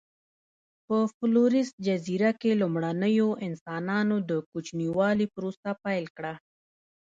په فلورس جزیره کې لومړنیو انسانانو د کوچنیوالي پروسه پیل کړه.